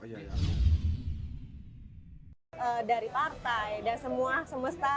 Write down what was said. dari semua semesta